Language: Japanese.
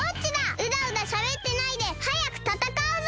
うだうだしゃべってないではやくたたかうぞ！